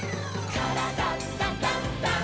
「からだダンダンダン」せの！